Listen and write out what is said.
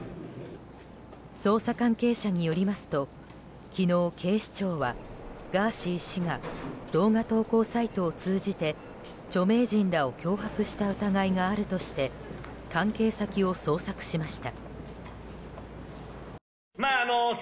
捜査関係者によりますと昨日、警視庁はガーシー氏が動画投稿サイトを通じて著名人らを脅迫した疑いがあるとして関係先を捜索しました。